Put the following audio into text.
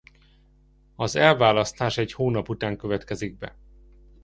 Az elválasztás egy hónap után következik be.